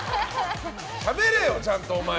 しゃべれよ、ちゃんとお前。